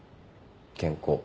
健康。